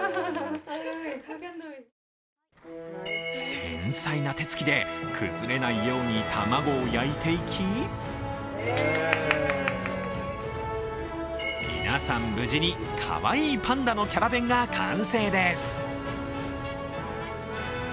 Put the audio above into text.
繊細な手つきで崩れないように卵を焼いていき皆さん、無事にかわいいパンダのキャラ弁が完成です。